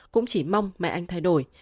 cũng chỉ mong mẹ anh thay đổi